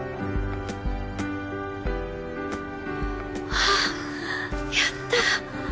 あっやった！